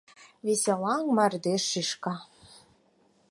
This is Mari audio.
Веселаҥ мардеж шӱшка.